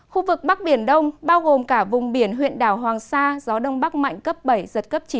khu vực bắc biển đông bao gồm cả vùng biển huyện đảo hoàng sa gió đông bắc mạnh cấp bảy giật cấp chín